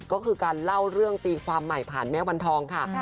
ก็คือการเล่าเรื่องตีความใหม่ผ่านแม่วันทองค่ะ